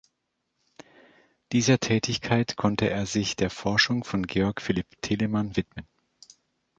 Dieser Tätigkeit konnte er sich der Forschung von Georg Philipp Telemann widmen.